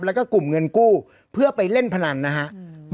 แล้วก็กลุ่มเงินกู้เพื่อไปเล่นพนันนะครับ